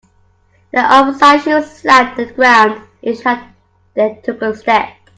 Their oversized shoes slapped the ground each time they took a step.